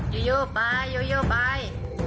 ยูยูไปยูยูไป